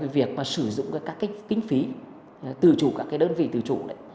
việc mà sử dụng các kinh phí từ chủ các cái đơn vị từ chủ đấy